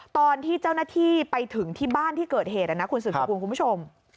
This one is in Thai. ตอนที่เจ้าหน้าที่ไปถึงที่บ้านที่เกิดเหตุนะคุณสุดสกุลคุณผู้ชม